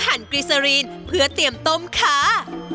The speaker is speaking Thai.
หั่นกิสรีนเพื่อเตรียมต้มค่ะ